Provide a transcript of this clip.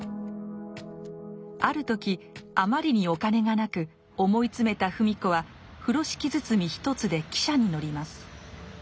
ある時あまりにお金がなく思い詰めた芙美子は風呂敷包み一つで汽車に乗ります。